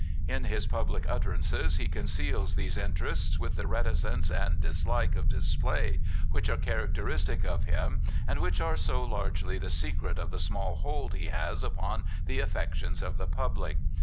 In his public utterance he conceals these interests with the reticence and dislike of display which are characteristic of him and which are so largely the secret of the small hold he has upon the affections of the public.